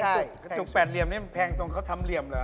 กระจกแปดเหลี่ยมนี่มันแพงตรงเขาทำเหลี่ยมเหรอ